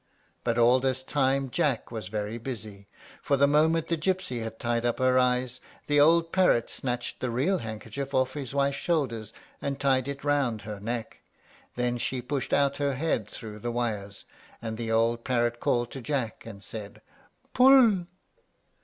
But all this time Jack was very busy; for the moment the gypsy had tied up her eyes, the old parrot snatched the real handkerchief off his wife's shoulders, and tied it round her neck. Then she pushed out her head through the wires, and the old parrot called to Jack, and said, "Pull!"